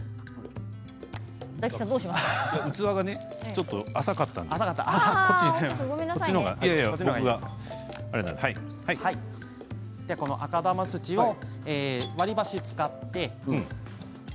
器がちょっと浅かったので赤玉土を割り箸を使って。